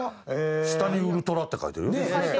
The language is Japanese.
下に「ウルトラ」って書いてる？